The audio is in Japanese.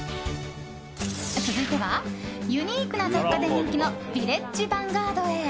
続いてはユニークな雑貨で人気のヴィレッジヴァンガードへ。